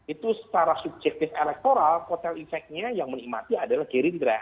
itu secara subjektif elektoral kotel efeknya yang menikmati adalah gerindra